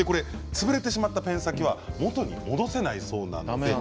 潰れてしまったペン先は元に戻せないそうなんです。